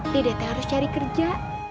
dede harus cari kerja